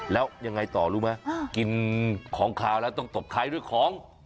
แล้วยังไงต่อรู้ไหมกินของขาวแล้วต้องตบท้ายด้วยของ